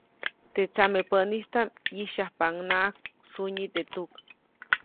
Teʼ tsamepäʼnistaʼm ʼyisyajpaʼuŋnaʼak sunyi teʼ tuk.